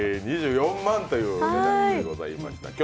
２４万というお値段でございました。